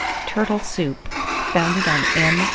TURTLE SOUP (founded on M.